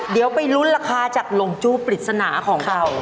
เดี๋ยวไปลุ้นราคาจากหลงจู้ปริศนาของเขา